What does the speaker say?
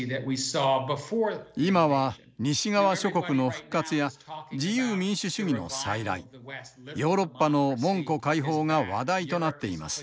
今は西側諸国の復活や自由民主主義の再来ヨーロッパの門戸開放が話題となっています。